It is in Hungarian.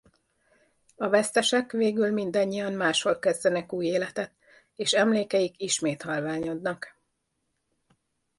A Vesztesek végül mindannyian máshol kezdenek új életet és emlékeik ismét halványodnak.